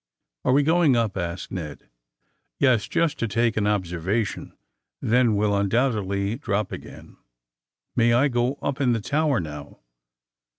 ^^Are we going npl" asked Ned. *^^Yes; jnst to take an observation. Then we'll iindonbtedly drop again." *' May I go np in the tower, now